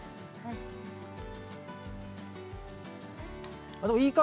はい。